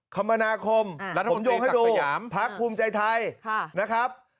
คมนาคมผมโยงให้ดูพักภูมิใจไทยนะครับ